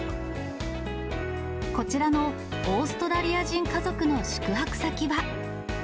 こちらのオーストラリア人家族の宿泊先は。